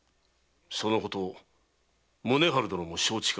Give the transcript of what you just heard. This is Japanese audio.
そのこと宗春殿も承知か？